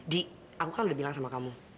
di aku kan udah bilang sama kamu